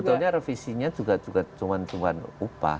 sebetulnya revisinya juga cuma cuma upah